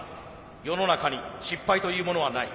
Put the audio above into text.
世の中に失敗というものはない。